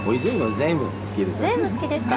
全部好きですか。